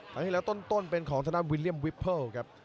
ครั้งที่แล้วต้นเป็นของทางด้านวิลเลี่ยมวิปเพิลครับ